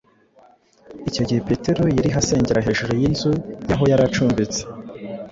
Icyo gihe Petero yariho asengera hejuru y’inzu y’aho yari acumbitse,